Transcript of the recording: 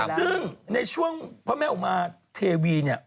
ซึ่งในช่วงพระแม่อุมาเทวีเนี่ย